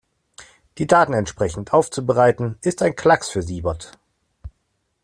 Die Daten entsprechend aufzubereiten, ist ein Klacks für Siebert.